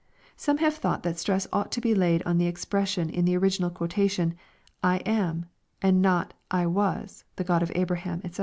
Some have thought that stress ought to be laid on the expres sion in the original quotation, " I am" and not " I was" the God of Abraham, &c.